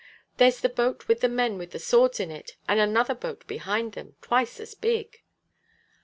"There's the boat with the men with the swords in it, and another boat behind them, twice as big."